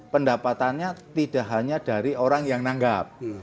pendapatannya tidak hanya dari orang yang nanggap